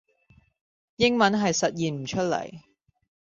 英文係實現唔出嚟